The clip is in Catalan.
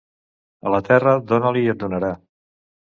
A la terra, dona-li i et donarà.